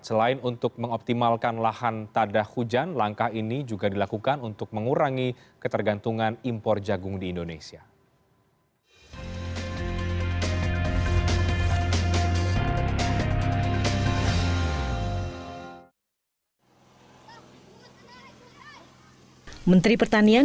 selain untuk mengoptimalkan lahan tada hujan langkah ini juga dilakukan untuk mengurangi ketergantungan impor jagung di indonesia